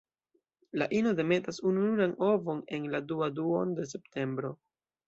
La ino demetas ununuran ovon en la dua duono de septembro.